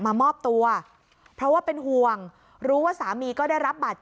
มามอบตัวเพราะว่าเป็นห่วงรู้ว่า